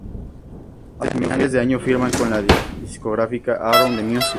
A finales de año firman con la discográfica Around the Music.